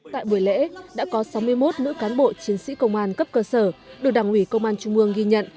tại buổi lễ đã có sáu mươi một nữ cán bộ chiến sĩ công an cấp cơ sở được đảng ủy công an trung ương ghi nhận